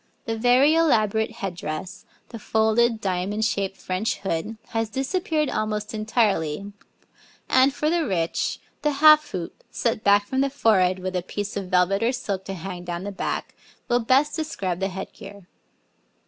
The very elaborate head dress, the folded, diamond shaped French hood has disappeared almost entirely, and, for the rich, the half hoop, set back from the forehead with a piece of velvet or silk to hang down the back, will best describe the head gear.